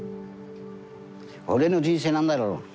俺の人生何だろう。